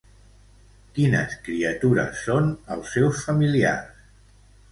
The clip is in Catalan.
Quines criatures són els seus familiars?